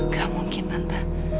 gak mungkin tante